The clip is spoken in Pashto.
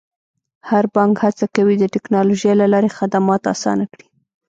هر بانک هڅه کوي د ټکنالوژۍ له لارې خدمات اسانه کړي.